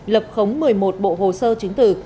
lập khống một mươi một bộ hồ sơ chứng tử